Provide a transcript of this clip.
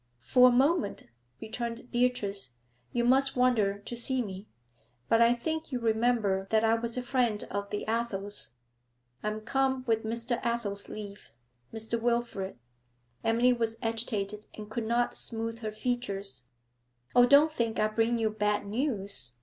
'For a moment,' returned Beatrice, 'you must wonder to see me. But I think you remember that I was a friend of the Athels. I am come with Mr. Athel's leave Mr. Wilfrid.' Emily was agitated and could not smooth her features. 'Oh, don't think I bring you bad news!'